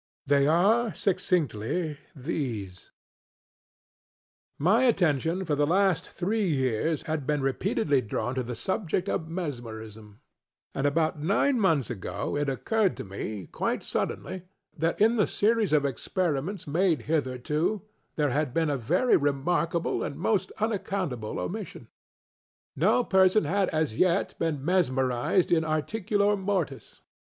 They are, succinctly, these: My attention, for the last three years, had been repeatedly drawn to the subject of Mesmerism; and, about nine months ago it occurred to me, quite suddenly, that in the series of experiments made hitherto, there had been a very remarkable and most unaccountable omission:ŌĆöno person had as yet been mesmerized in articulo mortis.